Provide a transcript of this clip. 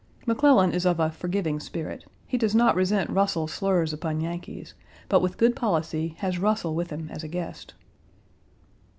McClellan is of a forgiving spirit. He does not resent Russell's slurs upon Yankees, but with good policy has Russell with him as a guest.